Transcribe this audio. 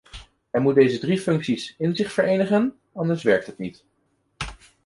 Hij moet deze drie functies in zich verenigen, anders werkt het niet.